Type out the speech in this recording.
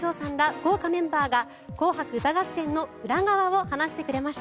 豪華メンバーが「紅白歌合戦」の裏側を話してくれました。